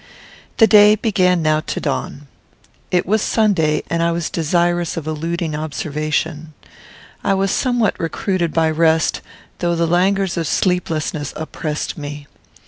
The day began now to dawn. It was Sunday, and I was desirous of eluding observation. I was somewhat recruited by rest, though the languors of sleeplessness oppressed me.